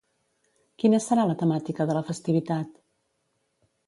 Quina serà la temàtica de la festivitat?